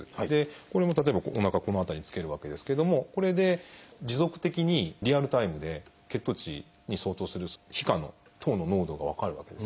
これも例えばおなかこの辺りにつけるわけですけどもこれで持続的にリアルタイムで血糖値に相当する皮下の糖の濃度が分かるわけです。